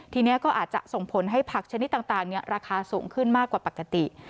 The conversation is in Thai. ทีนี้ก็อาจจะส่งผลให้ผักชนิดต่างราคาสูงขึ้นมากกว่าปกติ